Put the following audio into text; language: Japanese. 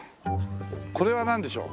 これはなんでしょう？